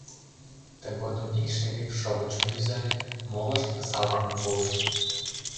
Тыгодым ик шериф шовычым рӱзале, молышт залпым пуышт...